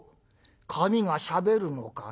紙がしゃべるのかな？